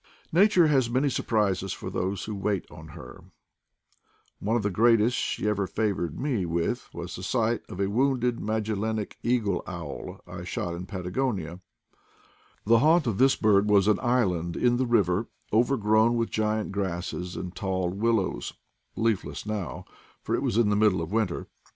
Nature has many surprises for those who wait on her; one of the greatest she ever favored me with was the sight of a wounded Magellanic eagle owl I shot in Patagonia. The haunt of this bird ;was an island in the river, overgrown with giant grasses and tall willows, leafless now, for it was CONCEENING EYES 186 in the middle of winter.